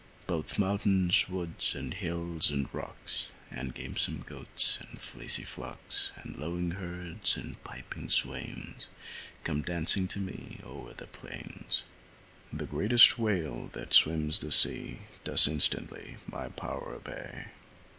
Both mountains, woods, and hills, and rocks And gamesome goats, and fleecy flocks, And lowing herds, and piping swains, Come dancing to me o'er the plains. The greatest whale that swims the sea Does instantly my power obey.